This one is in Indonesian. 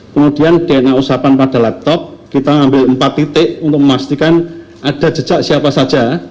kemudian dna usapan pada laptop kita ambil empat titik untuk memastikan ada jejak siapa saja